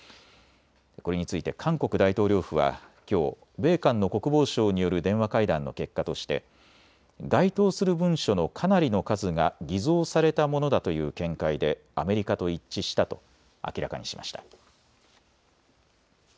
これについて韓国大統領府はきょう米韓の国防相による電話会談の結果として該当する文書のかなりの数が偽造されたものだという見解でアメリカと一致したと明らかにしました。